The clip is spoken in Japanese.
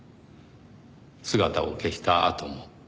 姿を消したあとも。